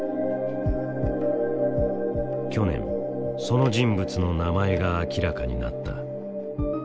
去年その人物の名前が明らかになった。